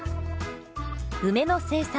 梅の生産